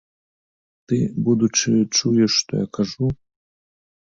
Ты, будучы, чуеш, што я кажу?